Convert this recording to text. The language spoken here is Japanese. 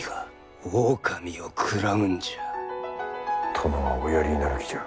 殿はおやりになる気じゃ。